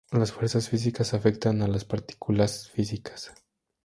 Las fuerzas físicas afectan a las partículas físicas.